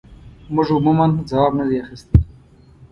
موږ عموماً ځواب نه دی اخیستی.